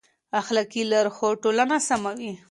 اخلاقي لارښود ټولنه سموي.